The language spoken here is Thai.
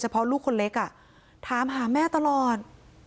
เพราะลูกคนเล็กถามหาแม่ตลอด